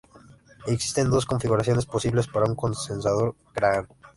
Existen dos configuraciones posibles para un condensador Graham.